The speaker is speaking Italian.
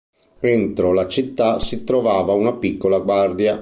Entro la città si trovava una piccola guardia.